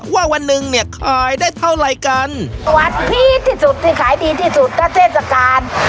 วันหนึ่งเนี่ยขายได้เท่าไหร่กันวันพีชที่สุดที่ขายดีที่สุดก็เทศกาล